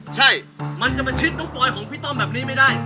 ใช่มันจะมาชิดน้องปอยของพี่ต้อมแบบนี้ไม่ได้